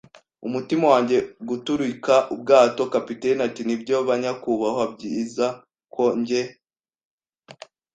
umutima wanjye guturika ubwato. ” Kapiteni ati: "Nibyo, banyakubahwa, ibyiza ko njye